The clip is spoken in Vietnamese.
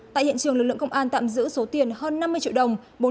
tại hiện trường lực lượng công an tạm giữ số tiền hơn năm mươi triệu đồng